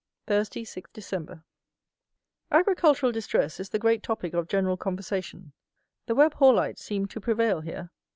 Thursday, 6 Dec. "Agricultural distress" is the great topic of general conversation. The Webb Hallites seem to prevail here.